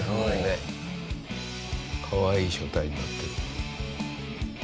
かわいい書体になってる。